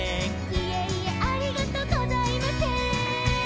「いえいえありがとうございませーん」